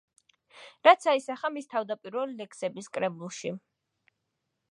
რაც აისახა მის თავდაპირველ ლექსების კრებულში.